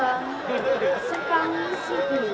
aku tidak bisa menangis